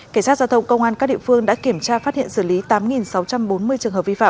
kể sát giao thông công an các địa phương đã kiểm tra phát hiện xử lý tám sáu trăm bốn mươi trường hợp vi phạm